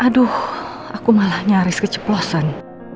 aduh aku malah nyaris keceplosan